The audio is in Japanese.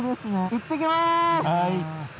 行ってきます。